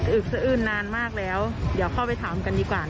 อึกเสียอื่นนานมากแล้วเดี๋ยวเข้าไปถามกันดีกว่าเนอะ